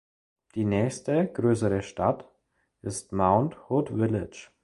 Die nächste größere Stadt ist Mount Hood Village.